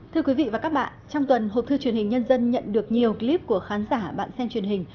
thưa quý vị và các bạn trong tuần hộp thư truyền hình nhân dân nhận được nhiều clip của khán giả bạn xem truyền hình